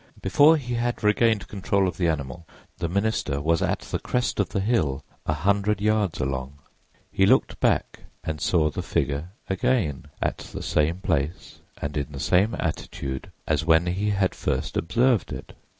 Before he had regained control of the animal the minister was at the crest of the hill a hundred yards along. He looked back and saw the figure again, at the same place and in the same attitude as when he had first observed it.